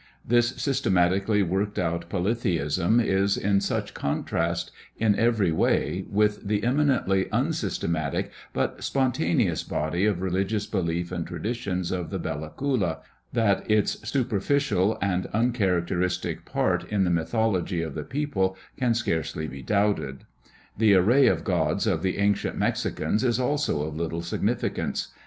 This systematically worked out polytheism is in such contrast in every way with the eminently unsystematic but spontaneous body of religious belief and traditions of the Bella Coola, that its superficial and uncharacteristic part in the mythol ogy of the people can scarcely be doubted. The array of gods of the ancient Mexicans is also of little significance.